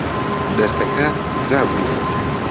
دەرکەکە کرابوویەوە.